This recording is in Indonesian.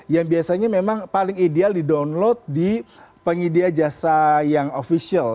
yang biasanya memang paling ideal di download di penyedia jasa yang official